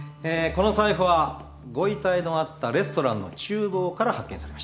この財布はご遺体のあったレストランの厨房から発見されました。